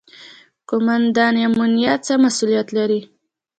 قوماندان امنیه څه مسوولیت لري؟